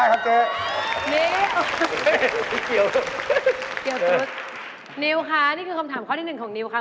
ได้ครับเจ๊นิ้วกิวกิวกุสนิ้วค่ะนี่คือคำถามข้อที่หนึ่งของนิ้วค่ะ